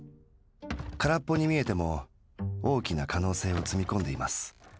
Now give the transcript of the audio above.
からっぽに見えても大きな可能性を積み込んでいます。